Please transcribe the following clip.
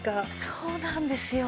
そうなんですよ。